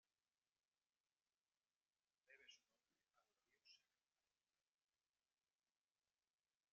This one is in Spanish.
Debe su nombre a los ríos Sena y Marne.